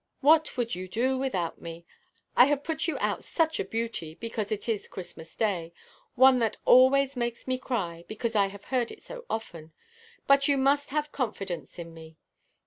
What would you do without me? I have put you out such a beauty, because it is Christmas Day: one that always makes me cry, because I have heard it so often. But you must have confidence in me."